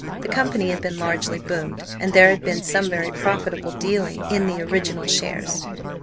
The company had been largely "boomed," and there had been some very profitable dealing in the original shares.